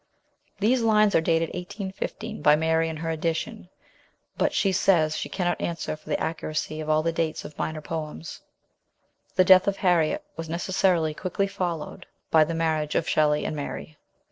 These lines are dated 1815 by Mary in her edition, but she says she cannot answer for the accuracy of all the dates of minor poems. The death of Harriet was necessarily quickly fol lowed by the marriage of Shelley and Mary.